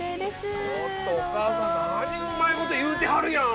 ちょっとお母さん何うまいこと言うてはるやん！